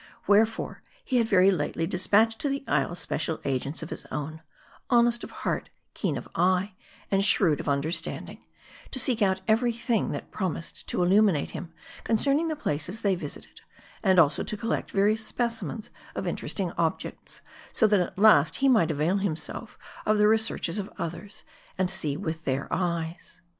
Wherefore he had very lately dispatched to the isles special agents of his own ; hon est of heart, keen of eye, and shrewd of understanding ; to seek out every thing that promised to illuminate him con cerning the places they visited, and also to collect various specimens of interesting objects ; so that at last he might avail himself of the researches of others, and see with their eyes.